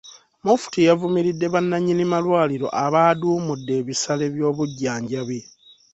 Mufti yavumiridde bannannyini malwaliro abaaduumudde ebisale by’obujjanjabi.